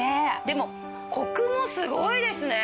でもコクもすごいですね。